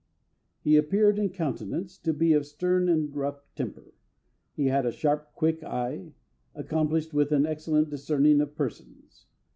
] "He appeared in countenance to be of a stern and rough temper. He had a sharp, quick eye, accomplished, with an excellent discerning of persons.